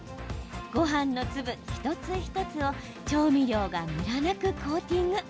ごはんの粒、一つ一つを調味料がムラなくコーティング。